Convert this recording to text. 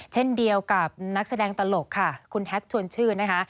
เช่นเดียวกับนักแสดงตลกค่ะคุณแท็กชวนชื่นนะคะ